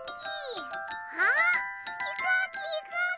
あっひこうきひこうき！